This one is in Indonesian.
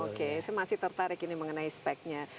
oke saya masih tertarik ini mengenai speknya